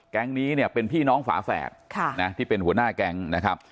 แก๊งนี้เนี่ยเป็นพี่น้องฝาแฝดที่เป็นหัวหน้าแก๊งนะครับ